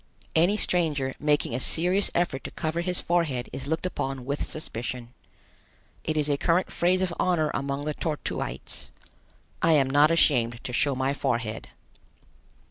Any stranger making a serious effort to cover his forehead is looked upon with suspicion. It is a current phrase of honor among the Tor tuites: "I am not ashamed to show my forehead."